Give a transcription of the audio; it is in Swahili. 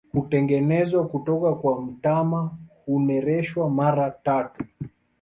Hutengenezwa kutoka kwa mtama, hunereshwa mara tatu.